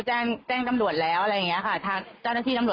แจ้งแจ้งตำรวจแล้วอะไรอย่างเงี้ยค่ะ